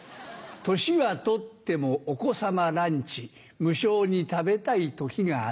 年はとってもお子様ランチ無性に食べたい時がある。